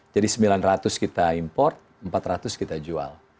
jadi sembilan ratus kita import empat ratus kita jual